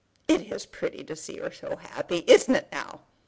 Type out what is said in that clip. "It is pretty to see her so happy, isn't it now?"